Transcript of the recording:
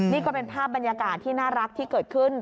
นี่ก็เป็นภาพบรรยากาศที่น่ารักที่เกิดขึ้น